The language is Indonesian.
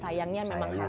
sayangnya memang harus